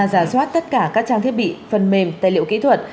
giả soát tất cả các trang thiết bị phần mềm tài liệu kỹ thuật